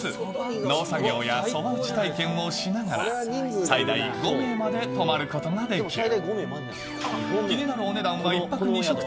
農作業やそば打ち体験をしながら、最大５名まで泊まることができる。